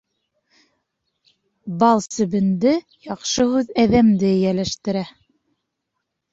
Бал себенде, яҡшы һүҙ әҙәмде эйәләштерә.